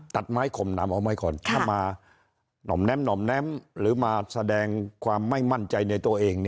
ตัดไม้ข่มน้ำเอาไว้ก่อนถ้ามาหน่อมแน้มห่อมแน้มหรือมาแสดงความไม่มั่นใจในตัวเอง